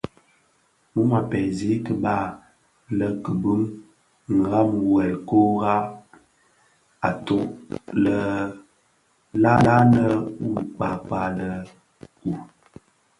Mum a pèzi kiba le kibuň mdhami wuèl kurak atōg lè la nne wuo kpakpa lè u.